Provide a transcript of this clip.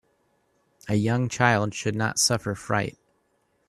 A young child should not suffer fright.